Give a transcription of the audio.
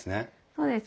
そうです。